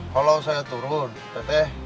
kalau saya turun teteh